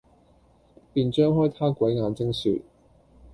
便張開他鬼眼睛説，